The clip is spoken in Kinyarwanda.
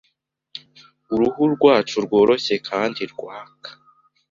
Uruhu rwacu rworoshye kandi rwaka